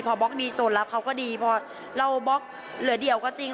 พอบล็อกดีโซนรับเขาก็ดีพอเราบล็อกเหลือเดี่ยวก็จริง